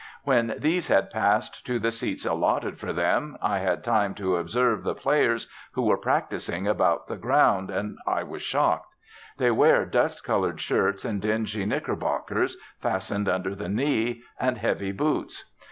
When these had passed to the seats allotted for them, I had time to observe the players, who were practising about the ground, and I was shocked. They wear dust coloured shirts and dingy knickerbockers, fastened under the knee, and heavy boots.